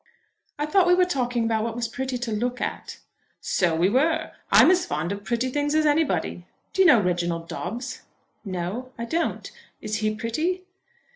"I thought we were talking about what was pretty to look at." "So we were. I'm as fond of pretty things as anybody. Do you know Reginald Dobbes?" "No, I don't. Is he pretty?"